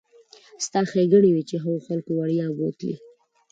ستا ښېګڼې وي چې هغو خلکو وړیا بوتللې.